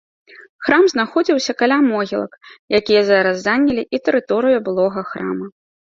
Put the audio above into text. Храм знаходзіўся каля могілак, якія зараз занялі і тэрыторыю былога храма.